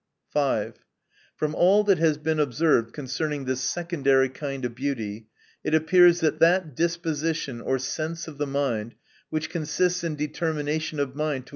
5. From all that has been observed concerning this secondary kind of beauty, it appears that that disposition or sense of the mind, which consists in determin ation of mind to.